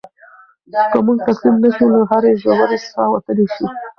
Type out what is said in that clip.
که موږ تسلیم نه شو نو له هرې ژورې څاه وتلی شو.